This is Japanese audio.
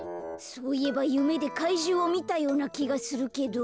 そういえばゆめでかいじゅうをみたようなきがするけど。